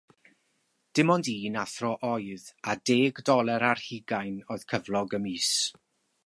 Dim ond un athro oedd a deg doler ar hugain oedd cyflog mis.